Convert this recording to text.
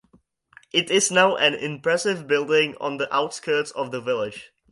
It is now an impressive building on the outskirts of the village.